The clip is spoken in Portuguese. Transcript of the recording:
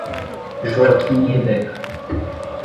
Joaquim e Rebeca